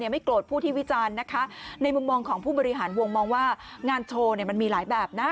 มองของผู้บริหารหววงมองว่างานโชว์มันมีหลายแบบนะ